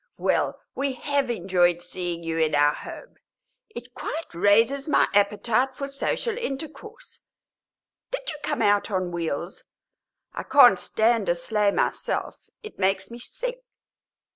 Well, we have enjoyed seeing you in our home; it quite raises my appetite for social intercourse. Did you come out on wheels? I can't stand a sleigh myself; it makes me sick."